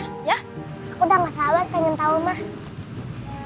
aku udah gak sabar pengen tahu ma